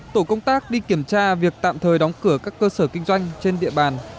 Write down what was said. tổ công tác đi kiểm tra việc tạm thời đóng cửa các cơ sở kinh doanh trên địa bàn